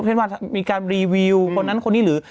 เช่นว่ามีการรีวิวคนนั้นคนนี้หรือ